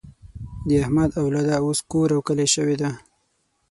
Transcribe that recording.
د احمد اولاده اوس کور او کلی شوې ده.